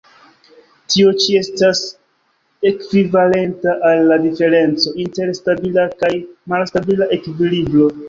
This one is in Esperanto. Tio ĉi estas ekvivalenta al la diferenco inter stabila kaj malstabila ekvilibro.